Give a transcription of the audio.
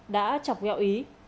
đã chọc nghẹo ý